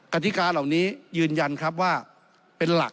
กฎิกาเหล่านี้ยืนยันครับว่าเป็นหลัก